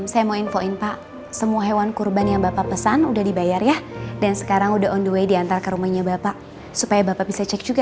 saya mau infoin pak semua hewan kurban yang bapak pesan udah dibayar ya dan sekarang udah on the way diantar ke rumahnya bapak supaya bapak bisa cek juga